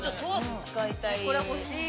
これ欲しい！